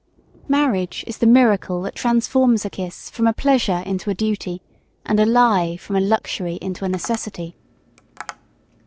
Marriage is the miracle that transforms a kiss from a pleasure into a duty, and a lie from a luxury into a necessity.